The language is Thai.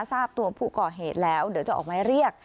ทราบตัวผู้ก่อเหตุแล้วเดี๋ยวจะออกไม้เรียก